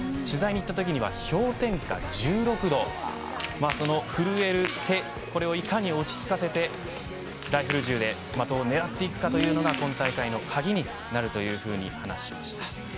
取材に行ったときには氷点下１６度その震える手これをいかに落ち着かせてライフル銃でまとを狙っていくかというのが今大会の鍵になるというふうに話していました。